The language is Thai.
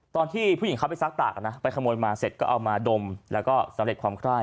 ตอนที่ผู้หญิงเขาไปซักตากไปขโมยมาเสร็จก็เอามาดมแล้วก็สำเร็จความไคร้